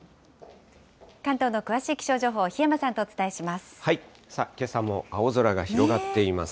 関東の詳しい気象情報、檜山さんとお伝えします。